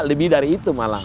lebih dari itu malah